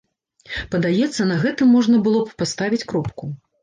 Падаецца, на гэтым можна было б паставіць кропку.